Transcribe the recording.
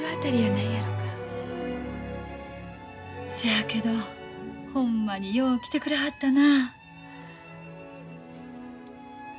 せやけどほんまによう来てくれはったな。